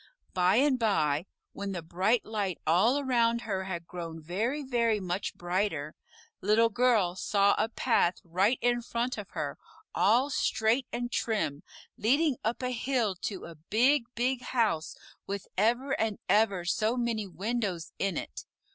By and by, when the bright light all around her had grown very, very much brighter, Little Girl saw a path right in front of her, all straight and trim, leading up a hill to a big, big house with ever and ever so many windows in it.